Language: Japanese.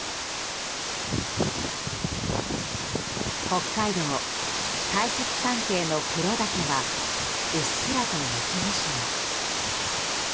北海道、大雪山系の黒岳はうっすらと雪化粧。